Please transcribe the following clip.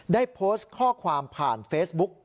ได้โพสต์ข้อความผ่านเฟซบุ๊ก